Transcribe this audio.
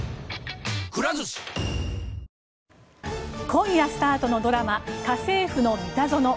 今夜スタートのドラマ「家政夫のミタゾノ」。